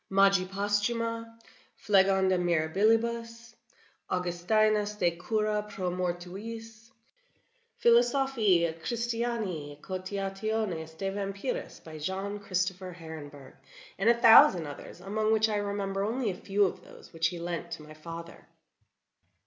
"Magia Posthuma," "Phlegon de Mirabilibus," "Augustinus de cura pro Mortuis," "Philosophicae et Christianae Cogitationes de Vampiris," by John Christofer Herenberg; and a thousand others, among which I remember only a few of those which he lent to my father.